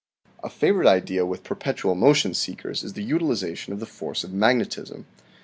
A favorite idea with perpetual motion seekers is the utilization of the force of magnetism.